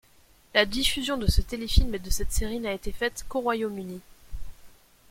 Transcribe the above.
La diffusion de ce téléfilm et de cette série n'a été faite qu'au Royaume-Uni.